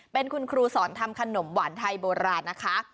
เป็นคุณครูสอนทำขนมหวานไทยโบราณนะคะ